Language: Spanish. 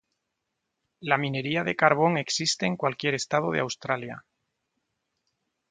La minería de carbón existe en cualquier estado de Australia.